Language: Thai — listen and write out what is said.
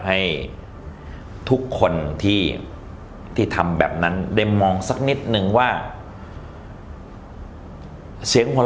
ให้ทุกคนที่ทำแบบนั้นได้มองสักนิดนึงว่าเสียงคน